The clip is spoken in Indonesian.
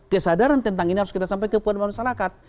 kesadaran tentang ini harus kita sampai ke penerima masyarakat